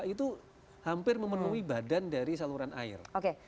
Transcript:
itu hampir memenuhi badan dari saluran air